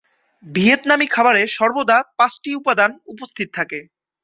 ভিয়েতনামী খাবারে সর্বদা পাঁচটি উপাদান উপস্থিত থাকে।